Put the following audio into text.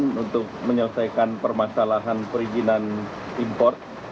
kemarin untuk menyelesaikan permasalahan perizinan impor